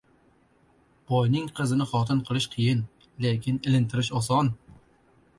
• Boyning qizini xotin qilish qiyin, lekin ilintirish oson.